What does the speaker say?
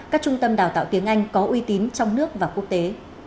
các trung tâm đào tạo tiếng anh có uy tín trong nước và quốc tế